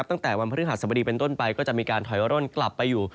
ตั้งแต่วันพระฤทธิ์ศาสตรีเป็นต้นไปก็จะมีการถอยร่วมกลับไปอยู่